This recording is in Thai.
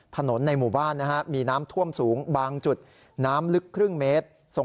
ในหมู่บ้านนะฮะมีน้ำท่วมสูงบางจุดน้ำลึกครึ่งเมตร